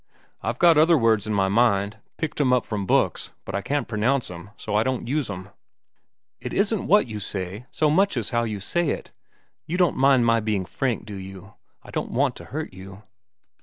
I've got other words in my mind, picked 'em up from books, but I can't pronounce 'em, so I don't use 'em." "It isn't what you say, so much as how you say it. You don't mind my being frank, do you? I don't want to hurt you."